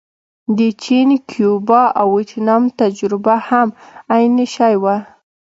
د چین، کیوبا او ویتنام تجربه هم عین شی وه.